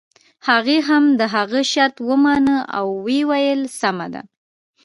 هغې هم د هغه شرط ومانه او ويې ويل سمه ده.